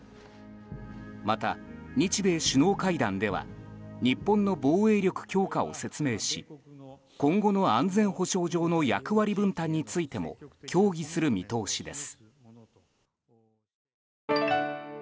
また、日米首脳会談では日本の防衛力強化を説明し、今後の安全保障上の役割分担についても協議する見通しです。